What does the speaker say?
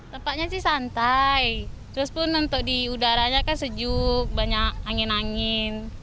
tempatnya sih santai terus pun untuk di udaranya kan sejuk banyak angin angin